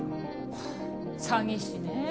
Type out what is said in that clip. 詐欺師ね。